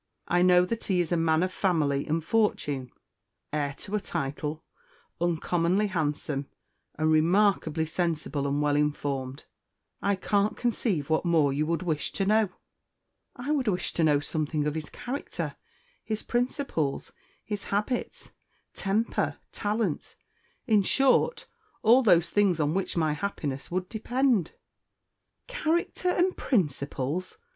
I know that he is a man of family and fortune, heir to a title, uncommonly handsome, and remarkably sensible and well informed. I can't conceive what more you would wish to know!" "I would wish to know something of his character, his principles, his habits, temper, talents in short, all those things on which my happiness would depend." "Character and principles!